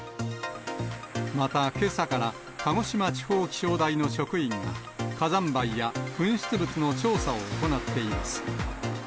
また、けさから、鹿児島地方気象台の職員が、火山灰や噴出物の調査を行っています。